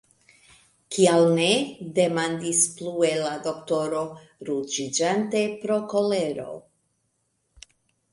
Kial ne? demandis plue la doktoro, ruĝiĝante pro kolero.